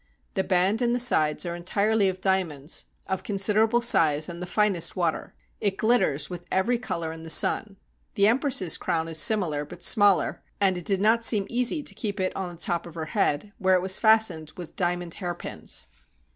The band and the sides are entirely of diamonds, of considerable size and the finest water. It glitters with every color in the sun. The empress's crown is similar, but smaller, and it did not seem easy to keep it on the top of her head, where it was fastened with diamond hairpins.